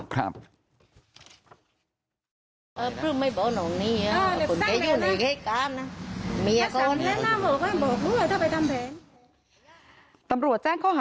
ครับ